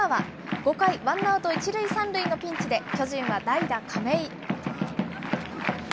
５回、ワンアウト１塁３塁のピンチで、巨人は代打、亀井。